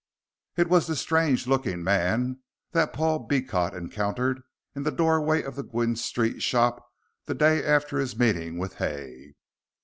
It was this strange looking man that Paul Beecot encountered in the doorway of the Gwynne Street shop the day after his meeting with Hay.